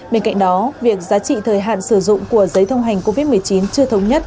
bên cạnh đó việc giá trị thời hạn sử dụng của giấy thông hành covid một mươi chín chưa thống nhất